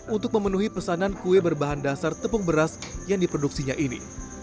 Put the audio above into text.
untuk memenuhi pesanan kue berbahan dasar tepung beras yang diproduksinya ini